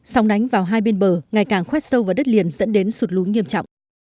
sông đánh vào hai bên bờ ngày càng khoét sâu vào đất liền dẫn đến sụt lú nghiêm trọng